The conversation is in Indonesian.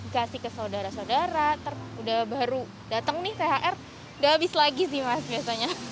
kasih ke saudara saudara udah baru dateng nih thr nggak habis lagi sih mas biasanya